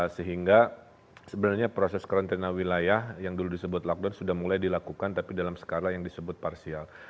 sehingga sebenarnya proses karantina wilayah yang dulu disebut lockdown sudah mulai dilakukan tapi dalam skala yang disebut parsial